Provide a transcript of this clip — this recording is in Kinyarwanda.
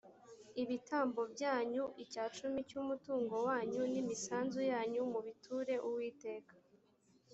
ibitambo byanyu , icya cumi cy’umutungo wanyu, n’imisanzu yanyu mubiture uwiteka